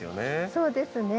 そうですね。